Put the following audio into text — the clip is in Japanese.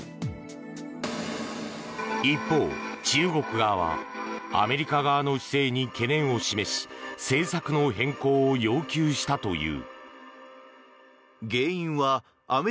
一方、中国側はアメリカ側の姿勢に懸念を示し政策の変更を要求したという。